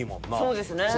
そうですね。